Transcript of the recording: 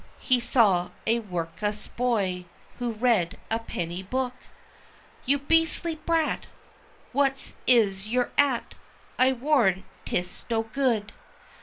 he saw a work'us boy, who read a penny book "You beastly brat! What is't you're at? I warrant 'tis no good!